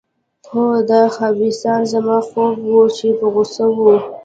هو، دا خبیثان. زما ځواب و، چې په غوسه وو.